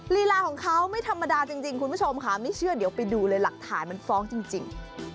ลีลาของเขาไม่ธรรมดาจริงคุณผู้ชมค่ะไม่เชื่อเดี๋ยวไปดูเลยหลักฐานมันฟ้องจริง